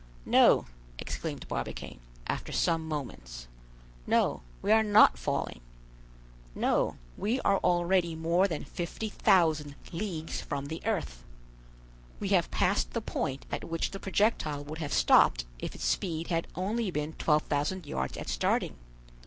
"No," exclaimed Barbicane, after some moments, "no, we are not falling! no, we are already more than 50,000 leagues from the earth. We have passed the point at which the projectile would have stopped if its speed had only been 12,000 yards at starting.